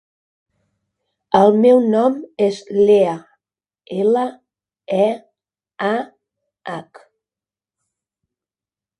El meu nom és Leah: ela, e, a, hac.